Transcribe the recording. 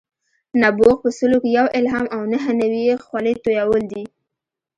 نبوغ په سلو کې یو الهام او نهه نوي یې خولې تویول دي.